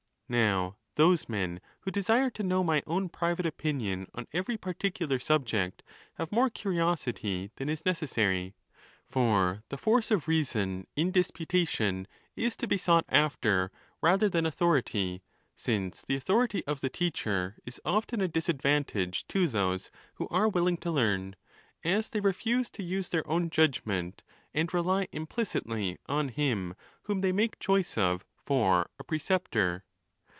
V. Now, those men who desire to know my own private opinion on every pai'ticular subject have more curiosity than is necessary. For the force of reason in disputation is to be sought after rather than authority, since the authority of tlie teacher is often a disadvantage to those who are willing to learn; as they refuse to use their own judgment, and rely implicitly on him whom they make choice of for a preceptor.